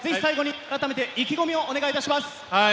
改めて意気込みをお願いします。